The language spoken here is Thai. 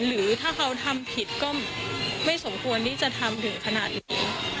หรือถ้าเขาทำผิดก็ไม่สมควรที่จะทำถึงขนาดนี้